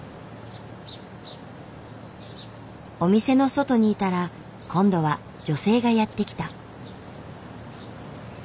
お店の外にいたら今度は女性がやって来た。